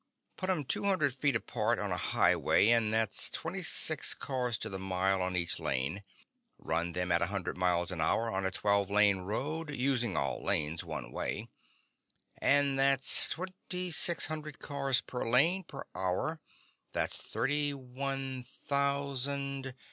Put 'em two hundred feet apart on a highway, and that's twenty six cars to the mile on each lane. Run them at a hundred miles an hour on a twelve lane road—using all lanes one way—and that's twenty six hundred cars per lane per hour, and that's thirty one thousand